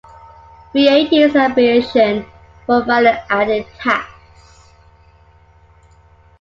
VAT is the abbreviation for value added tax.